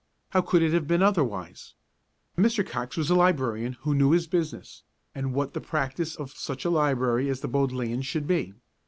How could it have been otherwise? Mr. Coxe was a librarian who knew his business, and what the practice of such a library as the Bodleian should be.